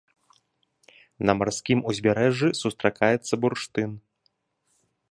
На марскім узбярэжжы сустракаецца бурштын.